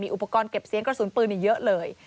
อุปกรณ์เก็บเสียงกระสุนปืนอีกเยอะเลย